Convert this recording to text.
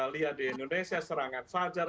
lihat di indonesia serangan sajar